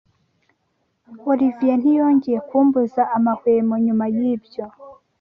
Olivier ntiyongeye kumbuza amahwemo nyuma yibyo.